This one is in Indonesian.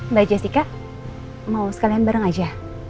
mbak jessica mau sekalian bareng aja